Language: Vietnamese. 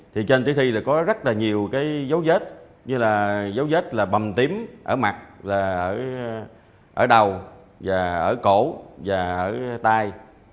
trên tử thi có rất nhiều dấu vết dấu vết bầm tím ở mặt ở đầu ở cổ ở tay